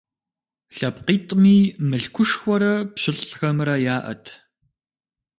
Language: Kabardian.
ЛъэпкъитӀми мылъкушхуэрэ пщылӀхэмрэ яӀэт.